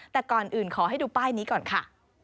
แต่ก่อนอื่นขอให้ดูป้ายนี้ก่อนค่ะ